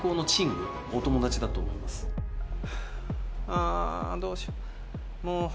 あどうしようもう。